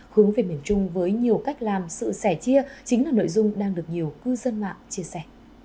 hướng về miền trung với nhiều cách làm sự sẻ chia chính là nội dung đang được nhiều cư dân mạng chia sẻ